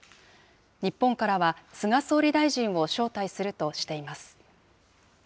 日本からは、菅総理大臣を招待するとしています。